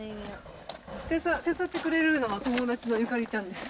手伝ってくれるのは、友達のゆかりちゃんです。